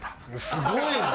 すごいな！